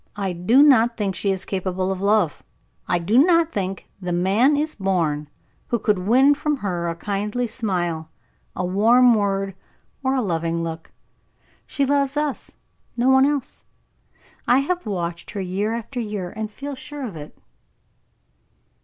I do not think she is capable of love; I do not think the man is born who could win from her a kindly smile, a warm word, or a loving look. She loves us; no one else. I have watched her year after year, and feel sure of it."